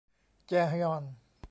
แจฮยอน